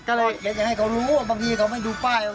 เขาเขียนไว้ให้เขารู้บางทีเขาไม่ดูป้าย